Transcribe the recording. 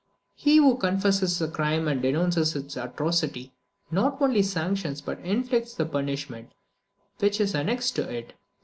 He who confesses a crime and denounces its atrocity, not only sanctions but inflicts the punishment which is annexed to it.